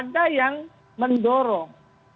ada yang mendorong